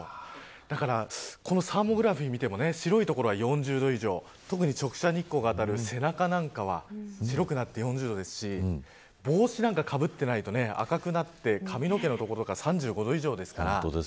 だからサーモグラフィーを見ても白い所は４０度以上特に直射日光が当たる背中なんかは白くなって４０度ですし帽子なんかかぶっていないと赤くなって髪の毛の所は３５度以上です。